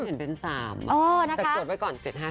เห็นเป็น๓แต่เกิดไว้ก่อน๗๕